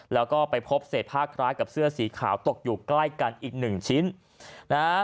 แล้วก็ไปพบเศษผ้าคล้ายกับเสื้อสีขาวตกอยู่ใกล้กันอีกหนึ่งชิ้นนะฮะ